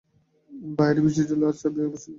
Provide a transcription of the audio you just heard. বাহিরে বৃষ্টি আরো চাপিয়া আসিল।